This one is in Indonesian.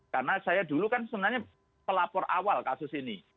karena saya dulu kan sebenarnya pelapor awal kasus ini